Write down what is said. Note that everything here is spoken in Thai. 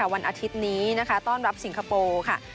วันอาทิตย์นี้ต้อนรับสิงคโปร์